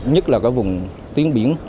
nhất là vùng tuyến biển